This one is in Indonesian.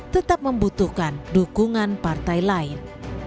tetap membutuhkan dukungan partai lain